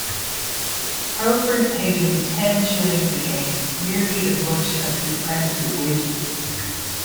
Hurlford paid him ten shillings a game, nearly as much as his apprentice's wages.